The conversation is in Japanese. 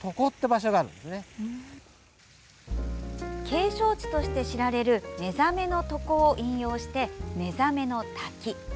景勝地として知られる寝覚の床を引用して寝覚の滝。